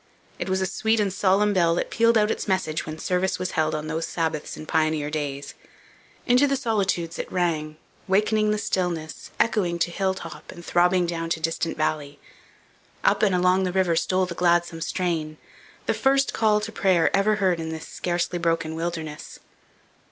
It was a sweet and solemn bell that pealed out its message when service was held on those Sabbaths in pioneer days. Into the solitudes it rang, wakening the stillness, echoing to hill top, and throbbing down to distant valley. Up and along the river stole the gladsome strain, the first call to prayer ever heard in this scarcely broken wilderness.